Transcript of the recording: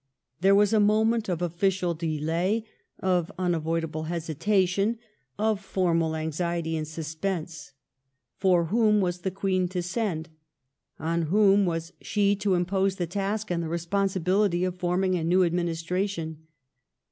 There was a moment of official delay, of unavoidable hesi tation, of formal anxiety and suspense. For whom was the Queen to send.f^ On whom was she to impose the task and the responsibility of forming a new administration?